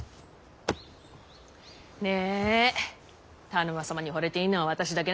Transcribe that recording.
ねぇ田沼様にほれていいのは私だけなのにさぁ。